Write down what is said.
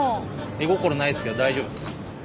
絵心ないですけど大丈夫ですか？